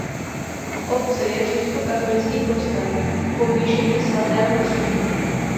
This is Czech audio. V obci je římskokatolický kostel Povýšení svatého Kříže.